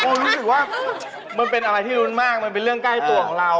ผมรู้สึกว่ามันเป็นอะไรที่รุ้นมากมันเป็นเรื่องใกล้ตัวของเรา